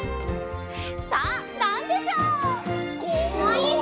さあなんでしょう？